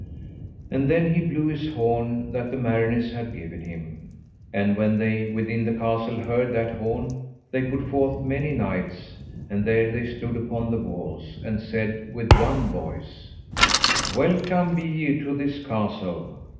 And then he blew his horn that the mariners had given him. And when they within the castle heard that horn they put forth many knights; and there they stood upon the walls, and said with one voice: Welcome be ye to this castle.